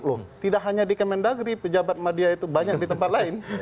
loh tidak hanya di kemendagri pejabat media itu banyak di tempat lain